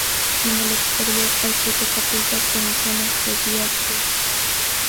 En el exterior hay siete capillas con escenas del "Via Crucis.